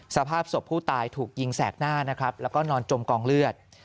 สภาพศพผู้ตายถูกยิงแสกหน้านะครับแล้วก็นอนจมกองเลือด